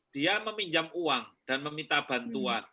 dia meminjam uang dan meminta bantuan